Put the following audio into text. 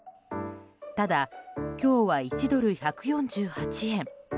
ただ、今日は１ドル＝１４８円。